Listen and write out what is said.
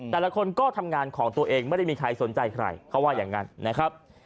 แต่ละคนก็ทำงานของตัวเองไม่ได้มีใครสนใจใครเขาว่าอย่างนั้นนะครับ